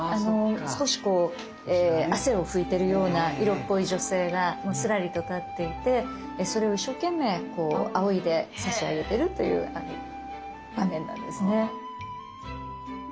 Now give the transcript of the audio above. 少しこう汗を拭いてるような色っぽい女性がすらりと立っていてそれを一生懸命あおいで差し上げてるという場面なんですね。